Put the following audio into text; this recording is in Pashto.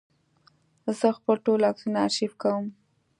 زه خپل ټول عکسونه آرشیف کوم.